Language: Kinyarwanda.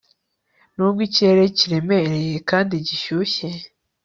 nubwo ikirere kiremereye kandi gishyushye